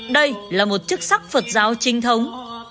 đây là một chức sắc phật giáo trinh thống